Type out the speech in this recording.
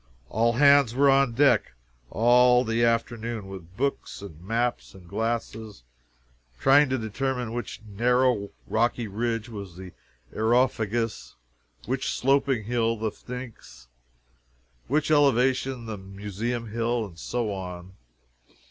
All hands were on deck, all the afternoon, with books and maps and glasses, trying to determine which "narrow rocky ridge" was the Areopagus, which sloping hill the Pnyx, which elevation the Museum Hill, and so on.